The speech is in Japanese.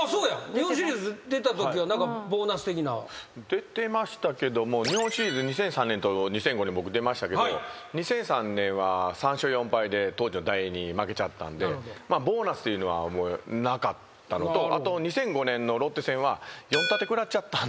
日本シリーズ出たときは何かボーナス的な。出てましたけども日本シリーズ２００３年と２００５年僕出ましたけど２００３年は３勝４敗で当時のダイエーに負けちゃったんでボーナスというのはなかったのとあと２００５年のロッテ戦は。